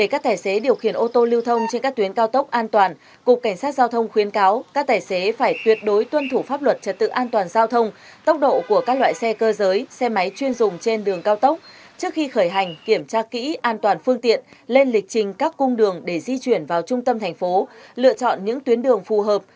các tài xế điều khiển ô tô lưu thông trên các tuyến cao tốc an toàn cục cảnh sát giao thông khuyến cáo các tài xế phải tuyệt đối tuân thủ pháp luật trật tự an toàn giao thông tốc độ của các loại xe cơ giới xe máy chuyên dùng trên đường cao tốc trước khi khởi hành kiểm tra kỹ an toàn phương tiện lên lịch trình các cung đường để di chuyển vào trung tâm thành phố lựa chọn những tuyến đường phù hợp